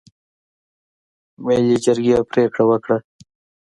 ملي جرګې پرېکړه وکړه.